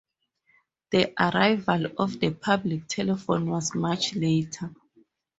The arrival of the public telephone was much later.